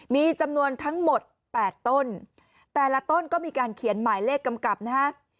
มีจำนวนทั้งหมด๘ต้นแต่ละต้นก็มีการเขียนหมายเลขกำกับนะฮะ